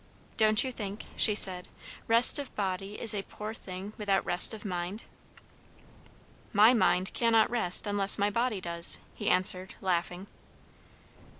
"Don't you think," she said, "rest of body is a poor thing without rest of mind?" "My mind cannot rest unless my body does," he answered, laughing.